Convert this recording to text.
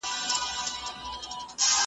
هره شپه په خوب کي وینم کابل جان جوپې د ښکلیو